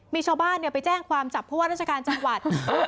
มีชาวบ้านไปแจ้งความจับผู้ว่าราชการจังหวัด